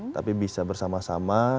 tapi bisa bersama sama